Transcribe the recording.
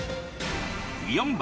４番。